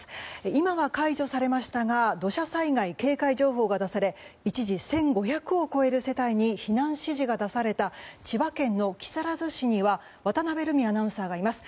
今は解除されましたが土砂災害警戒情報が出され一時１５００を超える世帯に避難指示が出された千葉県の木更津市には渡辺瑠海アナウンサーがいます。